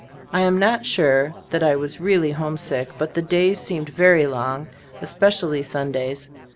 I am not sure that I was really homesick, but the days seemed very long, especially Sundays.